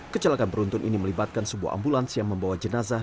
kecelakaan beruntun ini melibatkan sebuah ambulans yang membawa jenazah